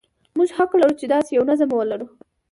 موږ حق لرو چې داسې یو نظام ولرو.